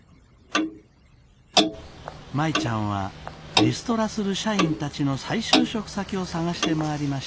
舞ちゃんはリストラする社員たちの再就職先を探して回りました。